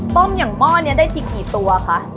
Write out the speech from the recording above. ต้มอย่างหม้อนี้ได้ทีกี่ตัวคะ